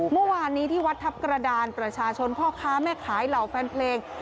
เมื่อวานนี้ที่วัดทัพกระดานประชาชนพ่อค้าแม่ขายเหล่าแฟนเพลง